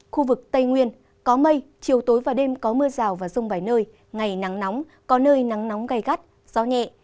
khu vực tây nguyên có mây chiều tối và đêm có mưa rào và rông vài nơi ngày nắng nóng có nơi nắng nóng gai gắt gió nhẹ